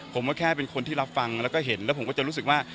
ผมก็แค่เป็นคนที่รับฟังแล้วก็เห็นแล้วผมก็จะรู้สึกว่า